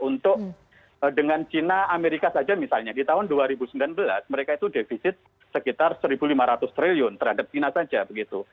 untuk dengan china amerika saja misalnya di tahun dua ribu sembilan belas mereka itu defisit sekitar rp satu lima ratus triliun terhadap china saja begitu